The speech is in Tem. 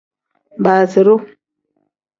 Baaziru.